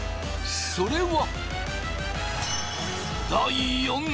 それは。